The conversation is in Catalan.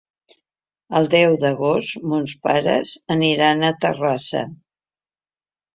El deu d'agost mons pares aniran a Terrassa.